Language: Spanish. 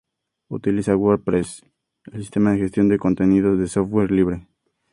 Utiliza WordPress, el sistema de gestión de contenido de software libre.